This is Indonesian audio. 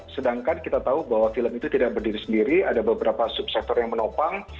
sedangkan kita tahu bahwa film itu tidak berdiri sendiri ada beberapa subsektor yang menopang